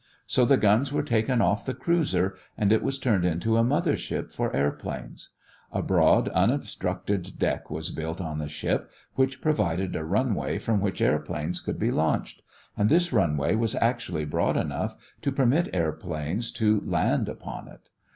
So the guns were taken off the cruiser and it was turned into a mother ship for airplanes. A broad, unobstructed deck was built on the ship which provided a runway from which airplanes could be launched, and this runway was actually broad enough to permit airplanes to land upon it.